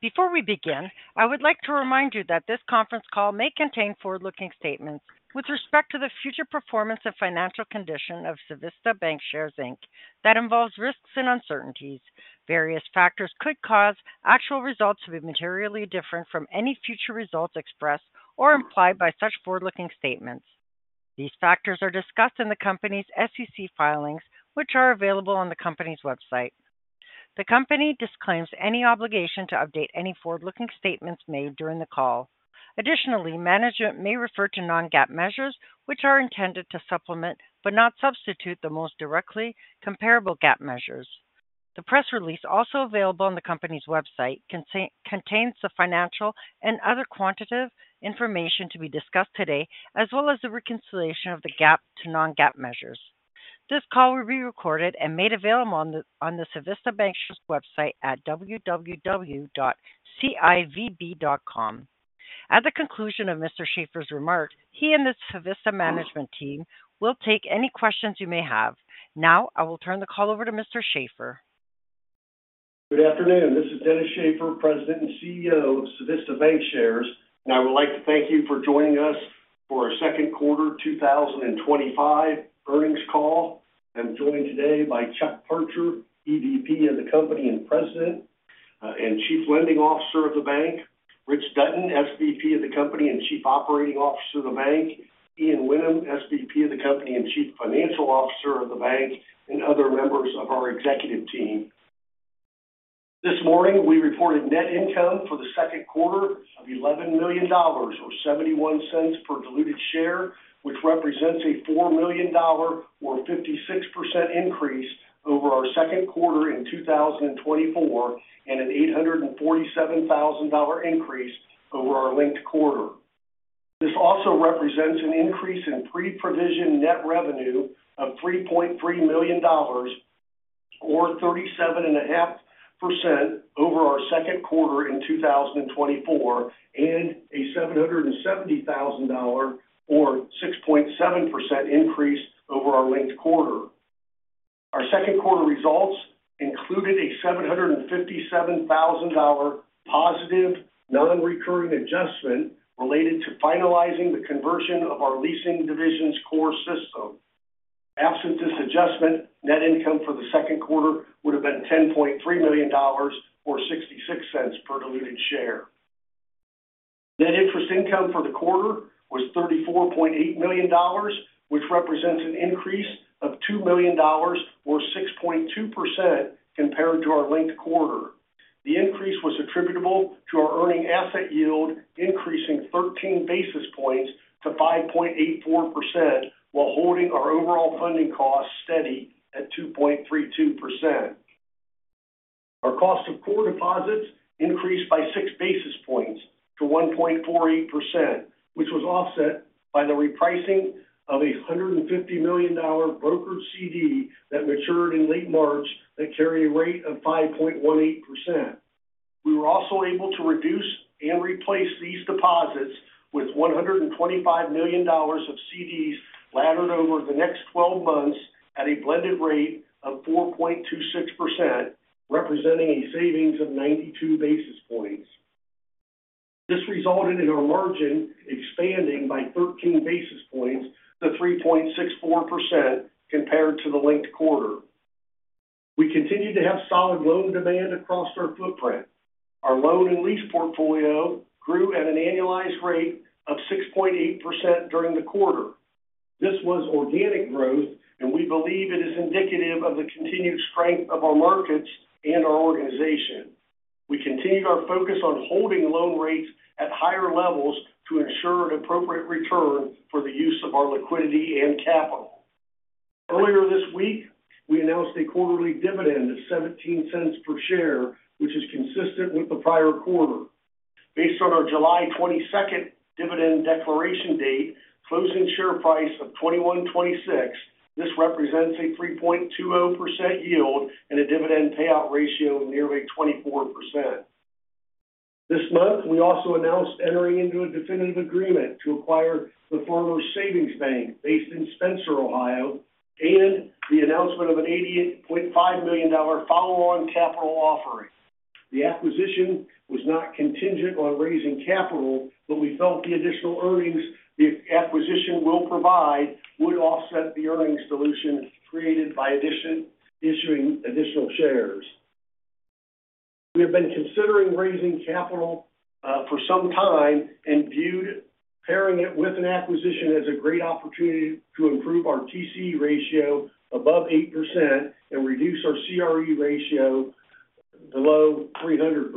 Before we begin, I would like to remind you that this conference call may contain forward-looking statements with respect to the future performance and financial condition of Civista Bancshares Inc. That involve risks and uncertainties. Various factors could cause actual results to be materially different from any future results expressed or implied by such forward-looking statements. These factors are discussed in the company's SEC filings, which are available on the company's website. The company disclaims any obligation to update any forward-looking statements made during the call. Additionally, management may refer to non-GAAP measures, which are intended to supplement but not substitute the most directly comparable GAAP measures. The press release, also available on the company's website, contains the financial and other quantitative information to be discussed today, as well as the reconciliation of the GAAP to non-GAAP measures. This call will be recorded and made available on the Civista Bancshares website at www.civb.com. At the conclusion of Mr. Shaffer's remarks, he and the Civista management team will take any questions you may have. Now, I will turn the call over to Mr. Shaffer. Good afternoon. This is Dennis Shaffer, President and CEO of Civista Bancshares, and I would like to thank you for joining us for our second quarter 2025 earnings call. I'm joined today by Chuck Parcher, EVP of the company and President and Chief Lending Officer of the Bank, Richard Dutton, SVP of the company and Chief Operating Officer of the Bank, Ian Whinnem, SVP of the company and Chief Financial Officer of the Bank, and other members of our executive team. This morning, we reported net income for the second quarter of $11 million or $0.71 per diluted share, which represents a $4 million or 56% increase over our second quarter in 2024 and an $847,000 increase over our linked quarter. This also represents an increase in pre-provision net revenue of $3.3 million or 37.5% over our second quarter in 2024 and a $770,000 or 6.7% increase over our linked quarter. Our second quarter results included a $757,000 positive non-recurring adjustment related to finalizing the conversion of our leasing division's core system. After this adjustment, net income for the second quarter would have been $10.3 million or $0.66 per diluted share. Net interest income for the quarter was $34.8 million, which represents an increase of $2 million or 6.2% compared to our linked quarter. The increase was attributable to our earning asset yield increasing 13 basis points to 5.84% while holding our overall funding costs steady at 2.32%. Our cost of core deposits increased by six basis points to 1.48%, which was offset by the repricing of a $150 million brokered CD that matured in late March that carried a rate of 5.18%. We were also able to reduce and replace these deposits with $125 million of CDs laddered over the next 12 months at a blended rate of 4.26%, representing a savings of 92 basis points. This resulted in our margin expanding by 13 basis points to 3.64% compared to the linked quarter. We continue to have solid loan demand across our footprint. Our loan and lease portfolio grew at an annualized rate of 6.8% during the quarter. This was organic growth, and we believe it is indicative of the continued strength of our markets and our organization. We continued our focus on holding loan rates at higher levels to ensure an appropriate return for the use of our liquidity and capital. Earlier this week, we announced a quarterly dividend of $0.17 per share, which is consistent with the prior quarter. Based on our July 22nd dividend declaration date, closing share price of $21.26, this represents a 3.20% yield and a dividend payout ratio of nearly 24%. This month, we also announced entering into a definitive agreement to acquire the Farmers Savings Bank based in Spencer, Ohio, and the announcement of an $88.5 million follow-on capital offering. The acquisition was not contingent on raising capital, but we felt the additional earnings the acquisition will provide would offset the earnings dilution created by issuing additional shares. We have been considering raising capital for some time and viewed pairing it with an acquisition as a great opportunity to improve our TCE ratio above 8% and reduce our CRE ratio below 300%.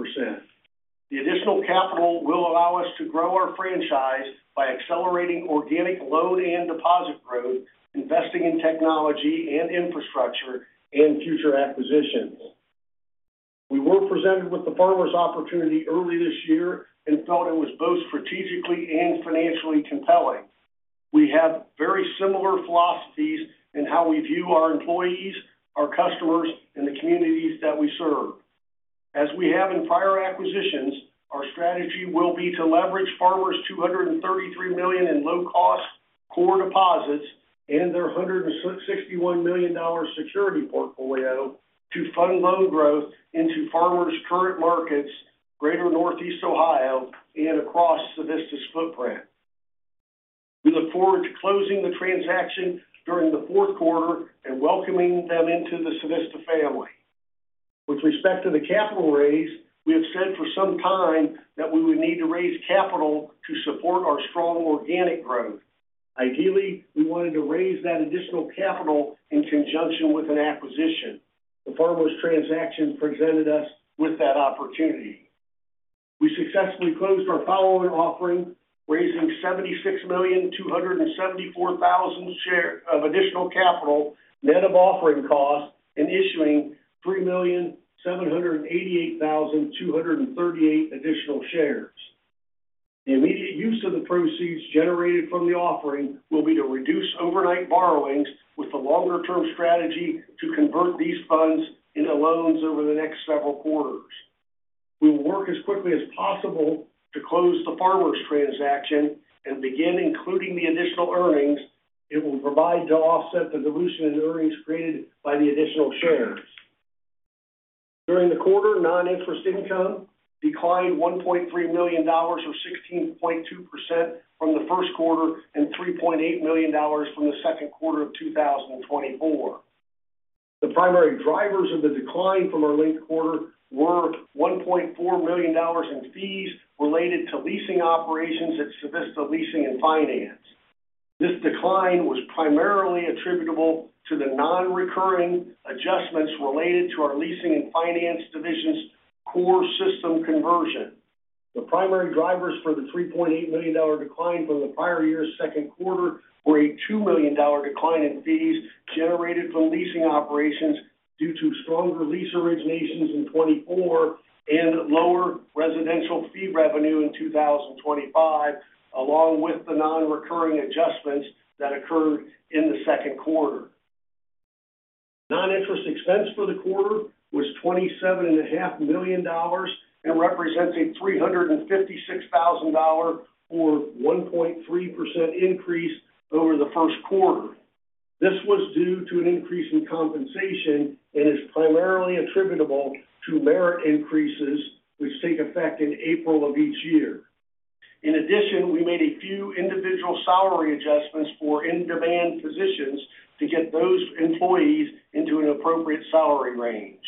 The additional capital will allow us to grow our franchise by accelerating organic loan and deposit growth, investing in technology and infrastructure, and future acquisitions. We were presented with the Farmers opportunity early this year and felt it was both strategically and financially compelling. We have very similar philosophies in how we view our employees, our customers, and the communities that we serve. As we have in prior acquisitions, our strategy will be to leverage Farmers' $233 million in low cost core deposits and their $161 million security portfolio to fund loan growth into Farmers' current markets, Greater Northeast Ohio, and across Civista's footprint. We look forward to closing the transaction during the fourth quarter and welcoming them into the Civista family. With respect to the capital raise, we have said for some time that we would need to raise capital to support our strong organic growth. Ideally, we wanted to raise that additional capital in conjunction with an acquisition. The Farmers transaction presented us with that opportunity. We successfully closed our following offering, raising $76,274,000 shares of additional capital, net of offering costs, and issuing $3,788,238 additional shares. The immediate use of the proceeds generated from the offering will be to reduce overnight borrowings with a longer term strategy to convert these funds into loans over the next several quarters. We will work as quickly as possible to close the Farmers transaction and begin including the additional earnings it will provide to offset the dilution in earnings created by the additional shares. During the quarter, non-interest income declined $1.3 million or 16.2% from the first quarter and $3.8 million from the second quarter of 2024. The primary drivers of the decline from our linked quarter were $1.4 million in fees related to leasing operations at Civista Leasing and Finance. This decline was primarily attributable to the non-recurring adjustments related to our leasing and finance division's core system conversion. The primary drivers for the $3.8 million decline from the prior year's second quarter were a $2 million decline in fees generated from leasing operations due to stronger lease originations in 2024 and lower residential fee revenue in 2025, along with the non-recurring adjustments that occurred in the second quarter. Non-interest expense for the quarter was $27.5 million and represents a $356,000 or 1.3% increase over the first quarter. This was due to an increase in compensation and is primarily attributable to merit increases, which take effect in April of each year. In addition, we made a few individual salary adjustments for in-demand positions to get those employees into an appropriate salary range.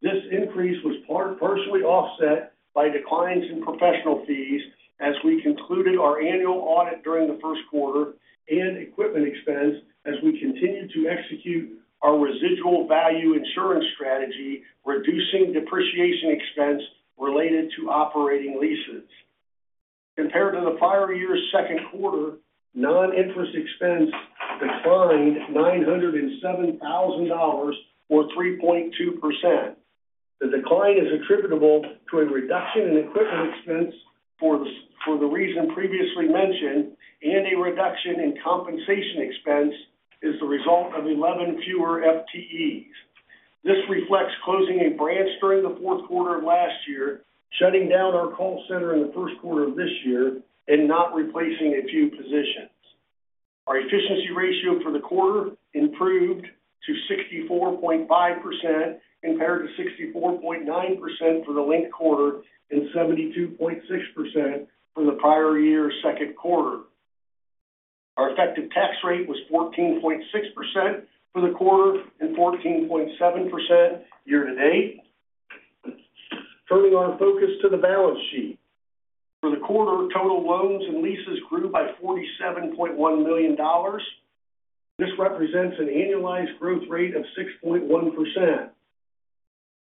This increase was partially offset by declines in professional fees as we concluded our annual audit during the first quarter and equipment expense as we continued to execute our residual value insurance strategy, reducing depreciation expense related to operating leases. Compared to the prior year second quarter, non-interest expense declined $907,000 or 3.2%. The decline is attributable to a reduction in equipment expense for the reason previously mentioned and a reduction in compensation expense as a result of 11 fewer FTEs. This reflects closing a branch during the fourth quarter of last year, shutting down our call center in the first quarter of this year, and not replacing a few positions. Our efficiency ratio for the quarter improved to 64.5% compared to 64.9% for the linked quarter and 72.6% for the prior year second quarter. Our effective tax rate was 14.6% for the quarter and 14.7% year to date. Turning our focus to the balance sheet. For the quarter, total loans and leases grew by $47.1 million. This represents an annualized growth rate of 6.1%.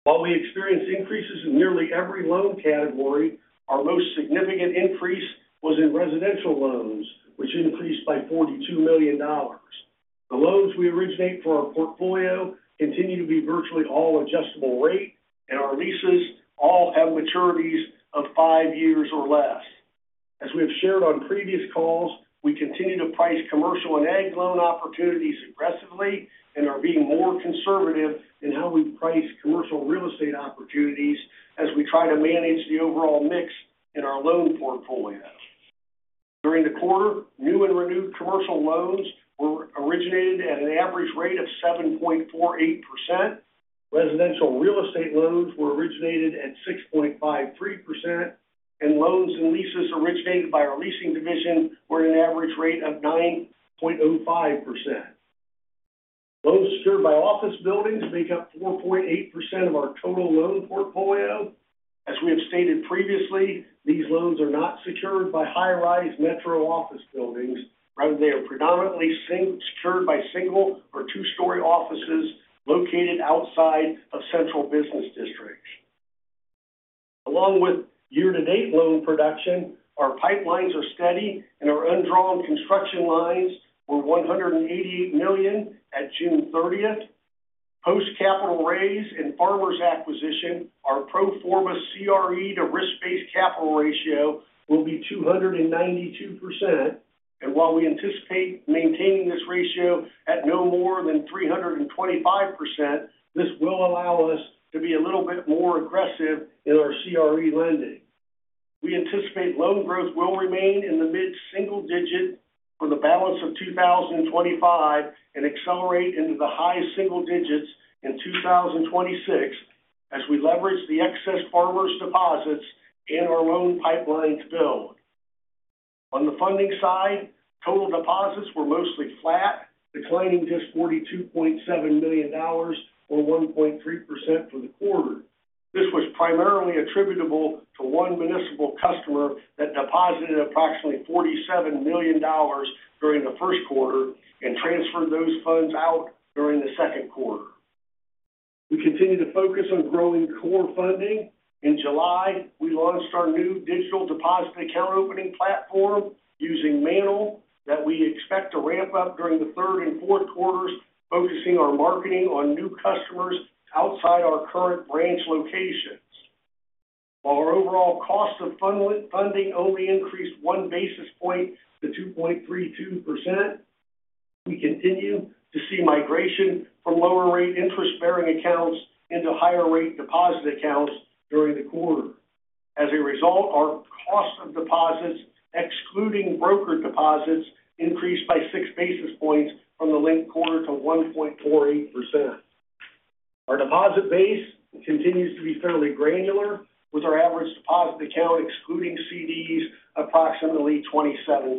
While we experienced increases in nearly every loan category, our most significant increase was in residential loans, which increased by $42 million. The loans we originate from our portfolio continue to be virtually all adjustable rate, and our leases all have maturities of five years or less. As we have shared on previous calls, we continue to price commercial and a loan opportunities aggressively and are being more conservative in how we price commercial real estate opportunities as we try to manage the overall mix in our loan portfolio. During the quarter, new and renewed commercial loans were originated at an average rate of 7.48%. Residential real estate loans were originated at 6.53%, and loans and leases originated by our leasing division were at an average rate of 9.05%. Loans secured by office buildings make up 4.8% of our total loan portfolio. As we have stated previously, these loans are not secured by high-rise metro office buildings. Rather, they are predominantly secured by single or two-story offices located outside of central business districts. Along with year-to-date loan production, our pipelines are steady, and our undrawn construction lines were $188 million at June 30th. Post-capital raise and Farmers' acquisition, our pro forma CRE to risk-based capital ratio will be 292%. While we anticipate maintaining this ratio at no more than 325%, this will allow us to be a little bit more aggressive in our CRE lending. We anticipate loan growth will remain in the mid single digit for the balance of 2025 and accelerate into the high single digits in 2026 as we leverage the excess Farmers' deposits in our loan pipelines build. On the funding side, total deposits were mostly flat, declining just $42.7 million or 1.3% for the quarter. This was primarily attributable to one municipal customer that deposited approximately $47 million during the first quarter and transferred those funds out during the second quarter. We continue to focus on growing core funding. In July, we launched our new digital account opening platform using Mantle that we expect to ramp up during the third and fourth quarters, focusing our marketing on new customers outside our current branch locations. While our overall cost of funding only increased one basis point to 2.32%, we continue to see migration from lower rate interest bearing accounts into higher rate deposit accounts during the quarter. As a result, our cost of deposits, excluding brokered deposits, increased by six basis points from the linked quarter to 1.48%. Our deposit base continues to be fairly granular, with our average deposit account excluding CDs approximately $27,000.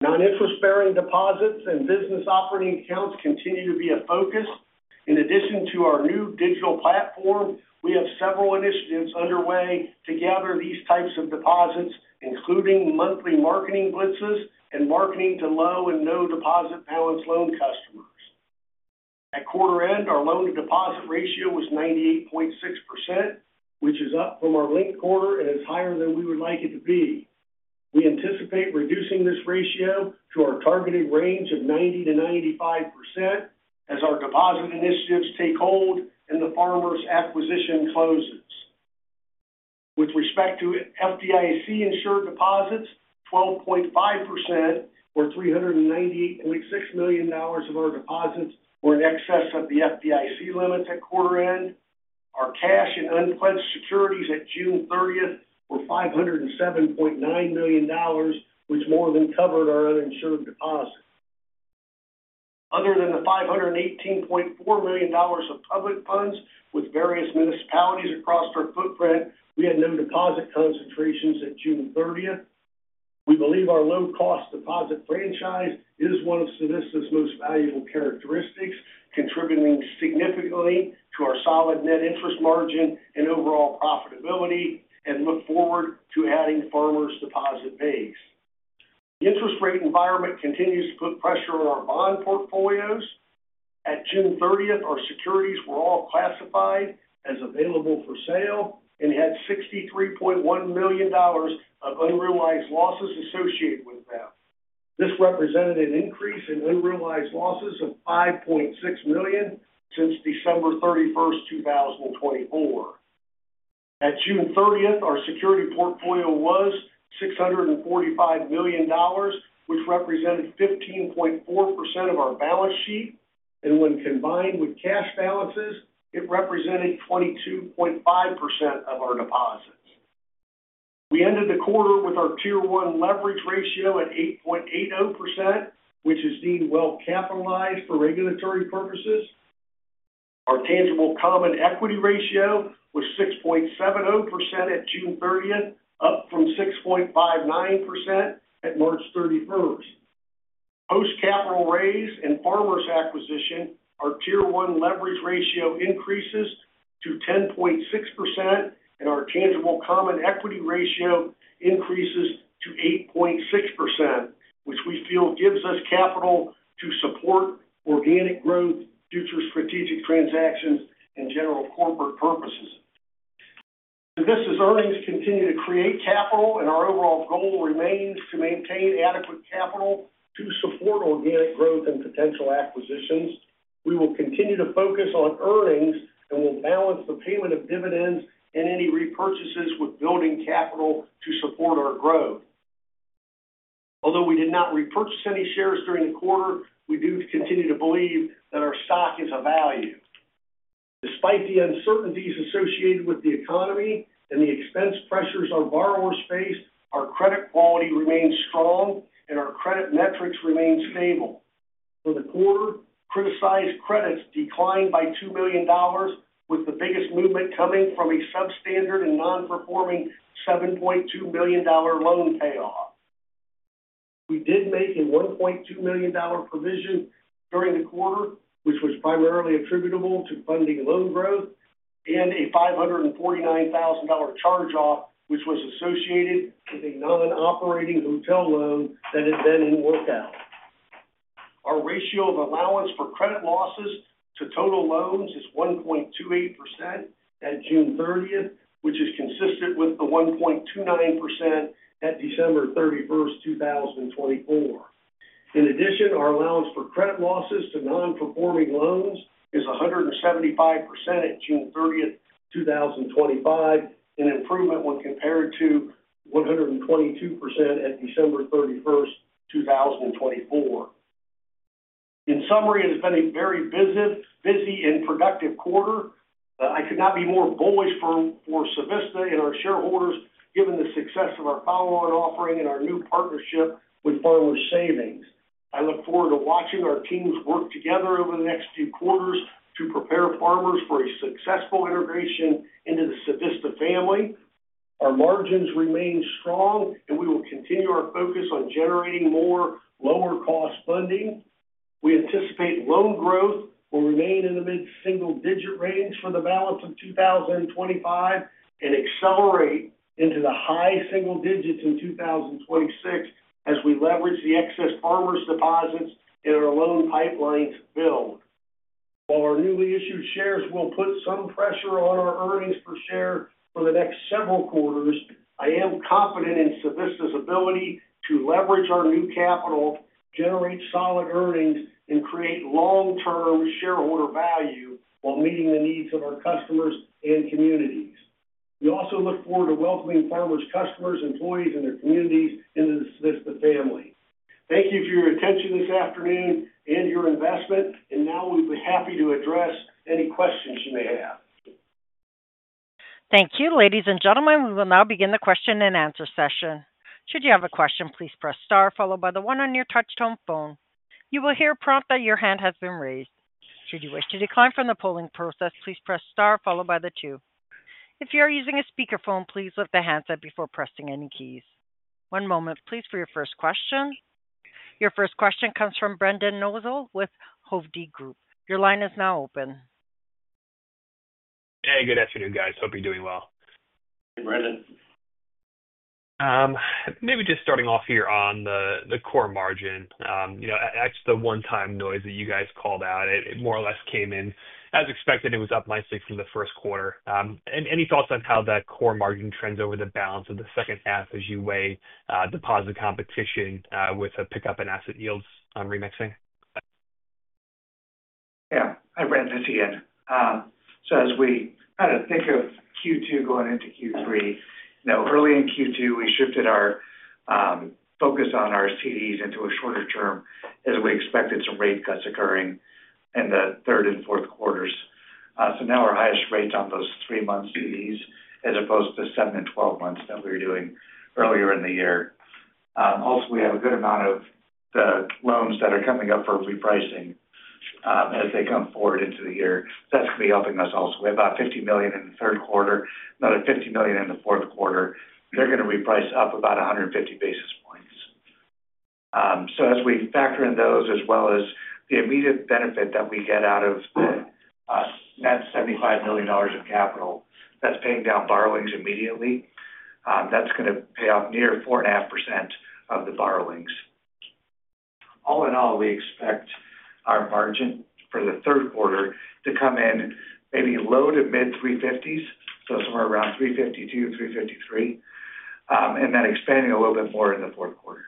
Non-interest bearing deposits and business operating accounts continue to be a focus. In addition to our new digital platform, we have several initiatives underway to gather these types of deposits, including monthly marketing blitzes and marketing to low and no deposit balance loan customers. At quarter end, our loan-to-deposit ratio was 98.6%, which is up from our linked quarter and is higher than we would like it to be. We anticipate reducing this ratio to our targeted range of 90% - 95% as our deposit initiatives take hold and the Farmers' acquisition closes. With respect to FDIC-insured deposits, 12.5% or $398.6 million of our deposits were in excess of the FDIC limits at quarter end. Our cash and unpledged securities at June 30th were $507.9 million, which more than covered our uninsured deposits. Other than the $518.4 million of public funds with various municipalities across our footprint, we had no deposit concentrations at June 30th. We believe our low-cost deposit franchise is one of Civista's most valuable characteristics, contributing significantly to our solid net interest margin and overall profitability, and look forward to adding the Farmers deposit base. The interest rate environment continues to put pressure on our bond portfolios. At June 30th, our securities were all classified as available for sale and had $63.1 million of unrealized losses associated with them. This represented an increase in unrealized losses of $5.6 million since December 31st, 2024. At June 30th, our security portfolio was $645 million, which represented 15.4% of our balance sheet. When combined with cash balances, it represented 22.5% of our deposits. We ended the quarter with our tier one leverage ratio at 8.80%, which is deemed well capitalized for regulatory purposes. Our tangible common equity ratio was 6.70% at June 30th, up from 6.59% March 31st. Post-capital raise and Farmers' acquisition, our tier one leverage ratio increases to 10.6%, and our tangible common equity ratio increases to 8.6%, which we feel gives us capital to support organic growth, future strategic transactions, and general corporate purposes. Civista's earnings continue to create capital, and our overall goal remains to maintain adequate capital to support organic growth and potential acquisitions. We will continue to focus on earnings and will balance the payment of dividends and any repurchases with building capital to support our growth. Although we did not repurchase any shares during the quarter, we do continue to believe that our stock is of value. Despite the uncertainties associated with the economy and the expense pressures our borrowers face, our credit quality remains strong and our credit metrics remain stable. For the quarter, criticized credits declined by $2 million, with the biggest movement coming from a substandard and non-performing $7.2 million loan payoff. We did make a $1.2 million provision during the quarter, which was primarily attributable to funding loan growth and a $549,000 charge-off, which was associated with a non-operating hotel loan that had been in work out. Our ratio of allowance for credit losses to total loans is 1.28% at June 30th, which is consistent with the 1.29% at December 31st, 2024. In addition, our allowance for credit losses to non-performing loans is 175% at June 30th, 2025, an improvement when compared to 122% at December 31st, 2024. In summary, it has been a very busy and productive quarter. I could not be more bullish for Civista and our shareholders, given the success of our follow-on offering and our new partnership with Farmers Savings. I look forward to watching our teams work together over the next few quarters to prepare Farmers for a successful integration into the Civista family. Our margins remain strong, and we will continue our focus on generating more lower-cost funding. We anticipate loan growth will remain in the mid-single-digit range for the balance of 2025 and accelerate into the high single digits in 2026 as we leverage the excess Farmers deposits in our loan pipelines build. While our newly issued shares will put some pressure on our earnings per share for the next several quarters, I am confident in Civista's ability to leverage our new capital, generate solid earnings, and create long-term shareholder value while meeting the needs of our customers and communities. We also look forward to welcoming Farmers customers, employees, and communities into the Civista family. Thank you for your attention this afternoon and your investment, and now we'd be happy to address any questions you may have. Thank you, ladies and gentlemen. We will now begin the question and answer session. Should you have a question, please press star followed by the one on your touchtone phone. You will hear a prompt that your hand has been raised. Should you wish to decline from the polling process, please press star followed by the two. If you are using a speakerphone, please lift the handset before pressing any keys. One moment, please, for your first question. Your first question comes from Brendan Nosal with Hovde Group. Your line is now open. Hey, good afternoon, guys. Hope you're doing well. Brendan. Maybe just starting off here on the core margin. You know, that's the one-time noise that you guys called out. It more or less came in as expected. It was up by six in the first quarter. Any thoughts on how that core margin trends over the balance of the second half as you weigh deposit competition with a pickup in asset yields remixing? Yeah, I read this again. As we kind of think of Q2 going into Q3, early in Q2, we shifted our focus on our CDs into a shorter term as we expected some rate cuts occurring in the third and fourth quarters. Now our highest rate is on those three-month CDs as opposed to the seven and twelve months that we were doing earlier in the year. Also, we have a good amount of the loans that are coming up for repricing as they come forward into the year. That's going to be helping us also. We have about $50 million in the third quarter, another $50 million in the fourth quarter. They're going to reprice up about 150 basis points. As we factor in those, as well as the immediate benefit that we get out of the net $75 million of capital that's paying down borrowings immediately, that's going to pay out near 4.5% of the borrowings. All in all, we expect our margin for the third quarter to come in maybe low to mid-350s, so somewhere around 352 - 353, and that expanding a little bit more in the fourth quarter.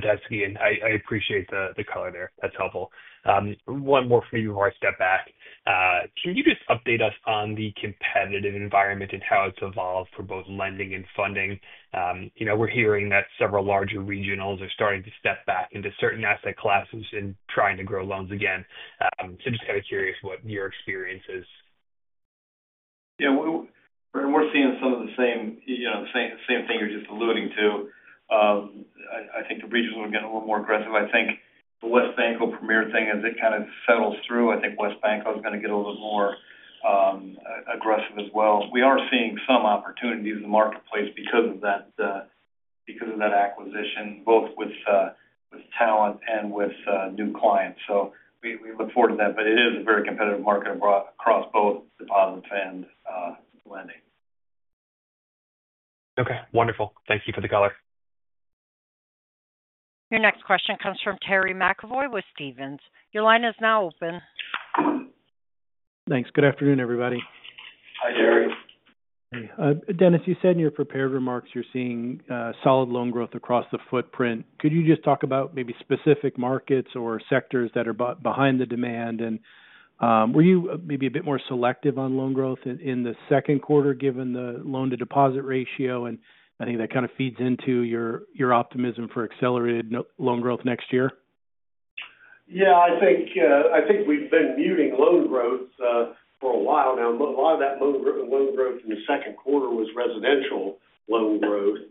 Fantastic. I appreciate the color there. That's helpful. One more for you before I step back. Can you just update us on the competitive environment and how it's evolved for both lending and funding? We're hearing that several larger regionals are starting to step back into certain asset classes and trying to grow loans again. I'm just kind of curious what your experience is? We're seeing some of the same thing you're just alluding to. I think the regions are getting a little more aggressive. I think the West Banco Premier thing, as it kind of settles through, I think West Banco is going to get a little bit more aggressive as well. We are seeing some opportunities in the marketplace because of that acquisition, both with talent and with new clients. We look forward to that. It is a very competitive market across both deposits and lending. Okay, wonderful. Thank you for the color. Your next question comes from Terry McEvoy with Stephens. Your line is now open. Thanks. Good afternoon, everybody. Hey, Dennis, you said in your prepared remarks you're seeing solid loan growth across the footprint. Could you just talk about maybe specific markets or sectors that are behind the demand? Were you maybe a bit more selective on loan growth in the second quarter given the loan-to-deposit ratio? I think that kind of feeds into your optimism for accelerated loan growth next year? Yeah, I think we've been muting loan growth for a while now. A lot of that loan growth in the second quarter was residential loan growth.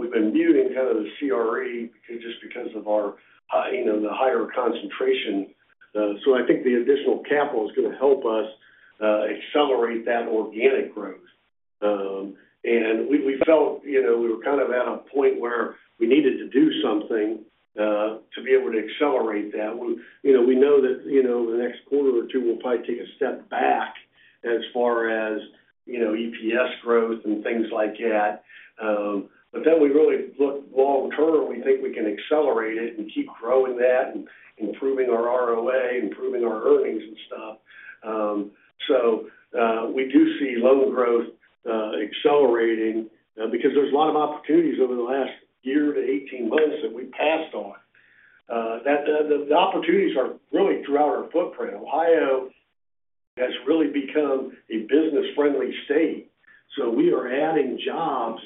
We've been muting kind of the CRE just because of our, you know, the higher concentration. I think the additional capital is going to help us accelerate that organic growth. We felt we were kind of at a point where we needed to do something to be able to accelerate that. We know that over the next quarter or two, we'll probably take a step back as far as EPS growth and things like that. Then we really look long-term, and we think we can accelerate it and keep growing that and improving our ROA, improving our earnings and stuff. We do see loan growth accelerating because there's a lot of opportunities over the last year to 18 months that we passed on. The opportunities are really throughout our footprint. Ohio has really become a business-friendly state. We are adding jobs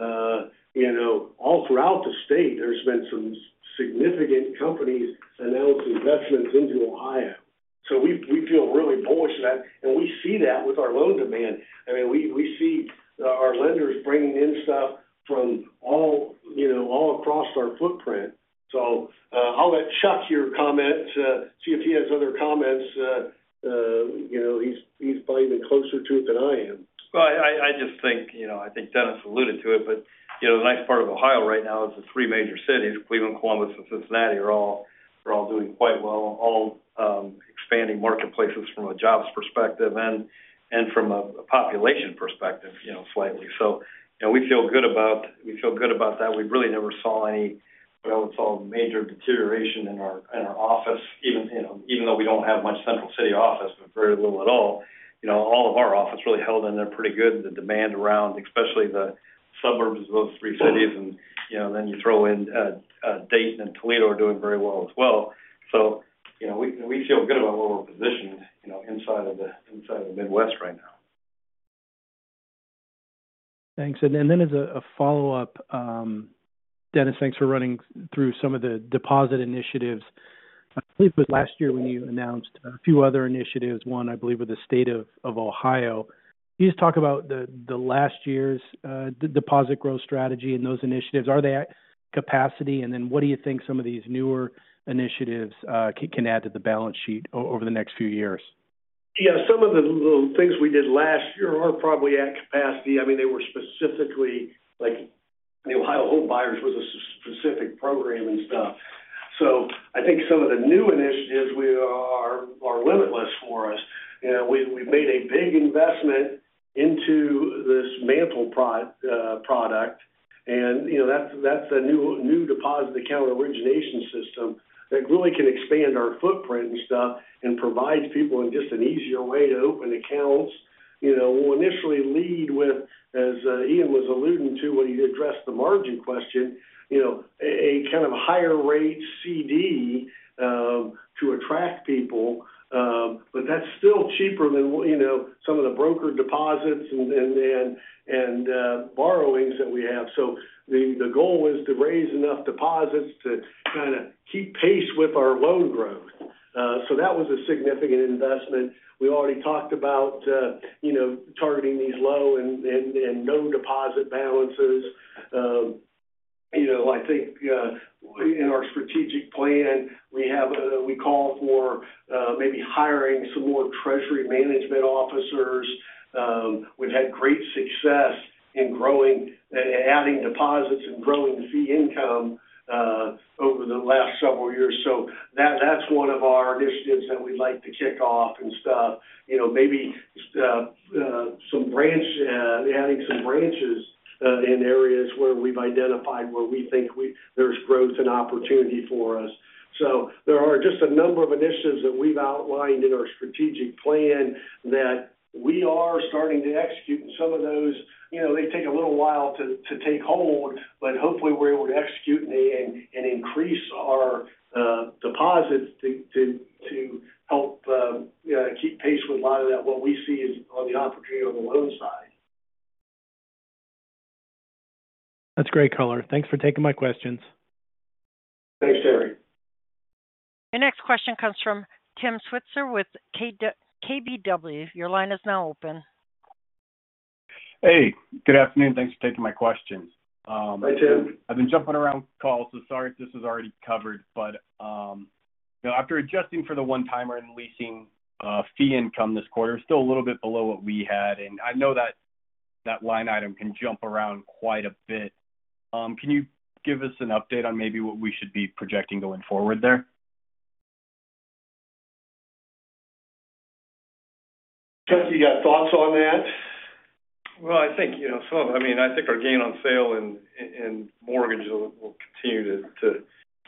all throughout the state. There's been some significant companies announcing investments into Ohio. We feel really bullish about it. We see that with our loan demand. I mean, we see our lenders bringing in stuff from all across our footprint. I'll let Chuck here comment, see if he has other comments. He's binding closer to it than I am. I think Dennis alluded to it, but the nice part of Ohio right now is the three major cities, Cleveland, Columbus, and Cincinnati, are all doing quite well, all expanding marketplaces from a jobs perspective and from a population perspective, slightly. We feel good about that. We really never saw any, what I would call, major deterioration in our office, even though we don't have much central city office, but very little at all. All of our office really held in there pretty good. The demand around, especially the suburbs of those three cities, and then you throw in Dayton and Toledo are doing very well as well. We feel good about all those positions inside of the Midwest right now. Thanks. Dennis, thanks for running through some of the deposit initiatives. I believe it was last year when you announced a few other initiatives, one, I believe, with the state of Ohio. Could you just talk about last year's deposit growth strategy and those initiatives? Are they at capacity? What do you think some of these newer initiatives can add to the balance sheet over the next few years? Yeah, some of the little things we did last year are probably at capacity. I mean, they were specifically like the Ohio Home Buyers was a specific program and stuff. I think some of the new initiatives are limitless for us. You know, we made a big investment into this Mantle product, and you know, that's the new deposit account origination system that really can expand our footprint and stuff and provides people just an easier way to open accounts. You know, we'll initially lead with, as Ian was alluding to when he addressed the margin question, you know, a kind of higher rate CD to attract people. That's still cheaper than some of the brokered deposits and borrowings that we have. The goal is to raise enough deposits to kind of keep pace with our loan growth. That was a significant investment. We already talked about targeting these low and no deposit balances. I think in our strategic plan, we call for maybe hiring some more Treasury Management Officers. We've had great success in growing and adding deposits and growing the fee income over the last several years. That's one of our initiatives that we'd like to kick off. Maybe adding some branches in areas where we've identified where we think there's growth and opportunity for us. There are just a number of initiatives that we've outlined in our strategic plan that we are starting to execute. Some of those take a little while to take hold, but hopefully we're able to execute and increase our deposits to help keep pace with a lot of that. What we see is on the. That's a great color. Thanks for taking my questions. Your next question comes from Tim Switzer with KBW. Your line is now open. Hey, good afternoon. Thanks for taking my questions. Hi, Tim. I've been jumping around calls, so sorry if this is already covered. After adjusting for the one-timer and leasing fee income this quarter, it's still a little bit below what we had. I know that line item can jump around quite a bit. Can you give us an update on maybe what we should be projecting going forward there? Chuck, you got thoughts on that? I think our gain on sale and mortgage will continue to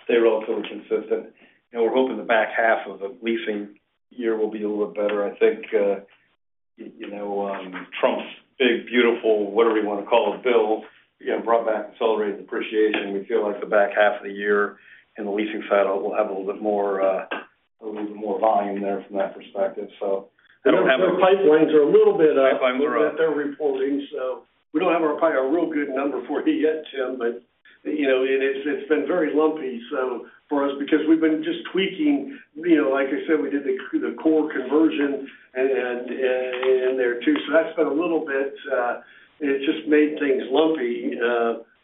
stay relatively consistent. We're hoping the back half of the leasing year will be a little bit better. I think Trump's big, beautiful, whatever you want to call his bills, brought back accelerated depreciation. We feel like the back half of the year and the leasing side will have a little bit more volume there from that perspective. Our pipelines are a little bit up. I'm sure that they're reporting. We don't have a real good number for you yet, Tim, but you know, it's been very lumpy for us because we've been just tweaking. Like I said, we did the core conversion in there too, so that's been a little bit, it's just made things lumpy.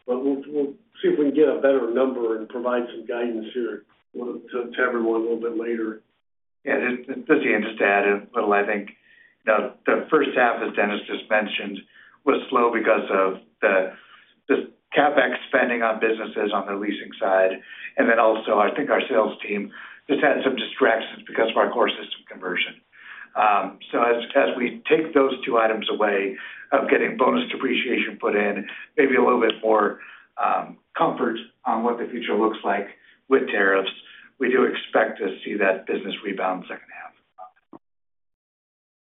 We'll see if we can get a better number and provide some guidance here to everyone a little bit later. Yeah, and just to add a little, I think the first half, as Dennis just mentioned, was slow because of the just CapEx spending on businesses on the leasing side. I think our sales team just had some distractions because of our core system conversion. As we take those two items away of getting bonus depreciation put in, maybe a little bit more comfort on what the future looks like with tariffs, we do expect to see that business rebound second half.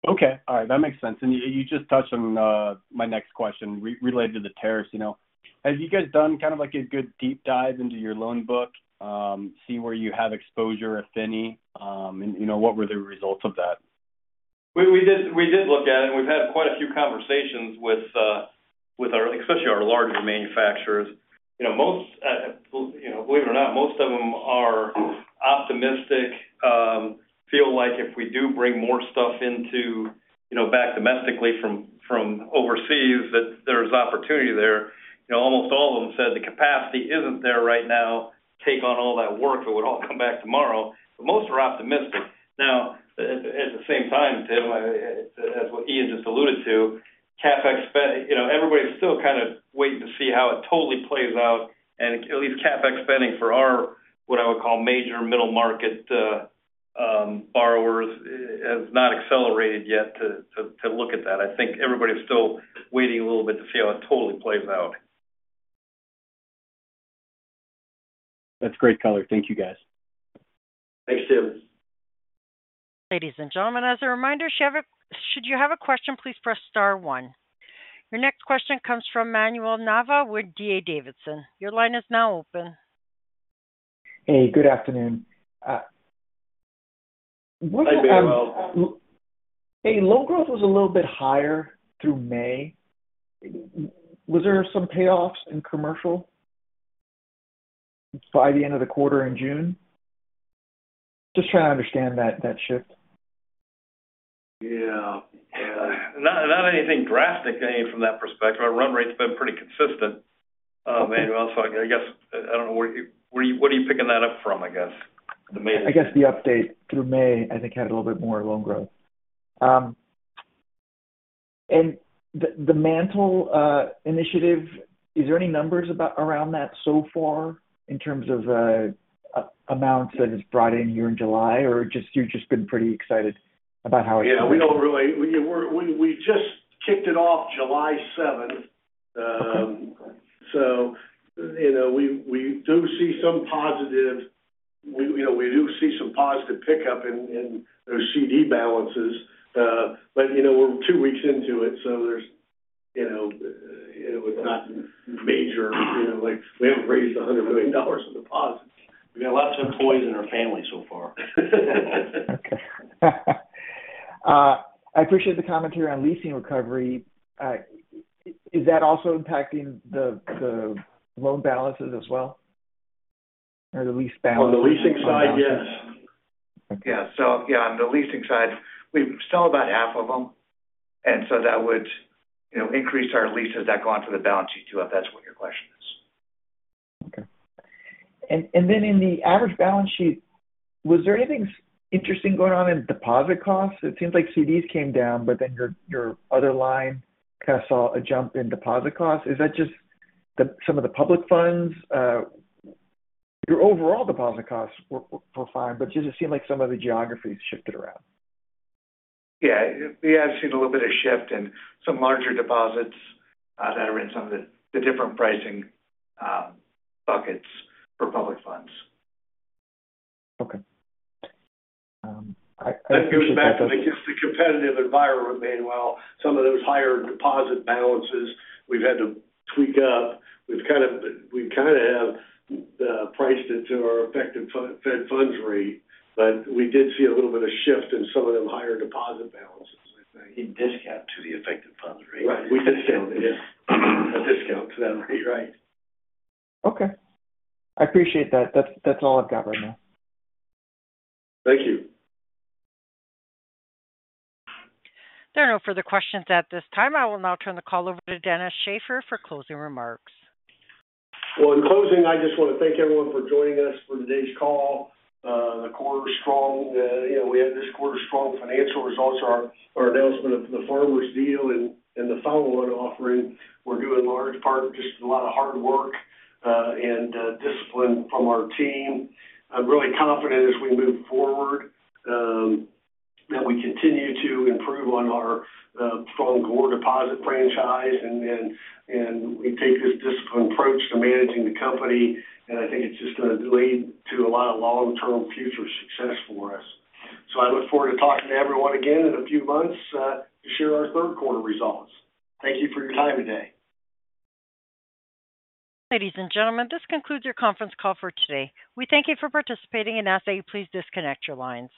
Okay. All right. That makes sense. You just touched on my next question related to the tariffs. Have you guys done kind of like a good deep dive into your loan book to see where you have exposure, if any, and what were the results of that? We did look at it, and we've had quite a few conversations with our, especially our larger manufacturers. Most - believe it or not, most of them are optimistic, feel like if we do bring more stuff back domestically from overseas, that there's opportunity there. Almost all of them said the capacity isn't there right now to take on all that work if it would all come back tomorrow, but most are optimistic. At the same time, Tim, as what Ian just alluded to, everybody's still kind of waiting to see how it totally plays out. At least CapEx spending for our, what I would call, major middle market borrowers has not accelerated yet to look at that. I think everybody's still waiting a little bit to see how it totally plays out. That's a great color. Thank you, guys. Thanks, Tim. Ladies and gentlemen, as a reminder, should you have a question, please press star one. Your next question comes from Manuel Navas with D.A. Davidson. Your line is now open. Hey, good afternoon. Hi, Manuel. Hey, loan growth was a little bit higher through May. Was there some payoffs in commercial by the end of the quarter in June? Just trying to understand that shift. Yeah, not anything drastic from that perspective. Our run rate's been pretty consistent, so I guess I don't know where you're picking that up from. I guess the update through May, I think, had a little bit more loan growth. The Mantle initiative, is there any numbers around that so far in terms of amounts that it's brought in here in July, or just you've just been pretty excited about how it's? Yeah, we just kicked it off July 7th. We do see some positive pickup in those CD balances. We're two weeks into it, so it's not major, like we haven't raised $100 million in deposits. We've got lots of employees in our family so far. I appreciate the commentary on leasing recovery. Is that also impacting the loan balances as well, or the lease balance? On the leasing side, yes. On the leasing side, we've still about half of them, and that would increase our leases that go onto the balance sheet too if that's what your question is. In the average balance sheet, was there anything interesting going on in deposit costs? It seemed like CDs came down, but then your other line kind of saw a jump in deposit costs. Is that just some of the public funds? Your overall deposit costs were fine, but it seemed like some of the geographies shifted around. Yeah, we have seen a little bit of shift in some larger deposits that are in some of the different pricing buckets for public funds. Okay. I appreciate that. I think it's the competitive environment. Some of those higher deposit balances we've had to tweak up. We've kind of priced it to our effective Fed funds rate, but we did see a little bit of shift in some of those higher deposit balances, I think. You discount to the effective funds rate. Right. We had to sell the discount to that rate, right? Okay, I appreciate that. That's all I've got right now. Thank you. There are no further questions at this time. I will now turn the call over to Dennis Shaffer for closing remarks. In closing, I just want to thank everyone for joining us for today's call. The quarter is strong. You know, we had this quarter's strong financial results. Our announcement of the Farmers deal and the follow-on offering were due in large part to just a lot of hard work and discipline from our team. I'm really confident as we move forward that we continue to improve on our strong core deposit franchise and we take this disciplined approach to managing the company. I think it's just going to lead to a lot of long-term future success for us. I look forward to talking to everyone again in a few months to share our third quarter results. Thank you for your time today. Ladies and gentlemen, this concludes your conference call for today. We thank you for participating and ask that you please disconnect your lines.